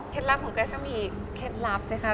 เคล็ดลับของเจ๊สก็มีเคล็ดลับเสร็จครับ